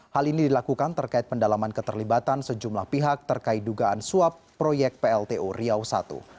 hal ini dilakukan terkait pendalaman keterlibatan sejumlah pihak terkait dugaan suap proyek pltu riau i